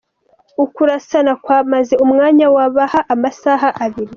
Ukurasana kwamaze umwanya wababa amasaha abiri.